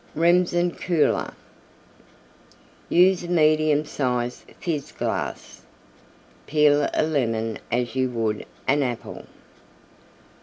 REMSEN COOLER Use a medium size Fizz glass. Peel a Lemon as you would an Apple.